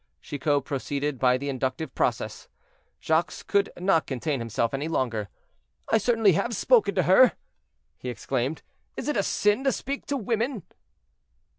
Chicot proceeded by the inductive process. Jacques could not contain himself any longer. "I certainty have spoken to her!" he exclaimed; "is it a sin to speak to women?"